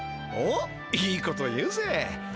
おっいいこと言うぜ！